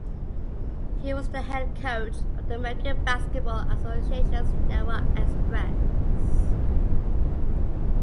He was the head coach of the American Basketball Association's Newark Express.